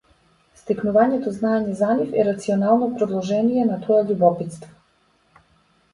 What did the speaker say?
Стекнувањето знаење за нив е рационално продолжение на тоа љубопитство.